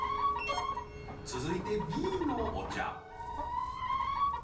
続いてＢのお茶